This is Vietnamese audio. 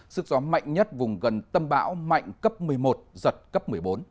sức gió mạnh nhất vùng gần tâm bão mạnh cấp một mươi một giật cấp một mươi bốn